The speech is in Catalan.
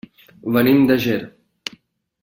Venim de Ger.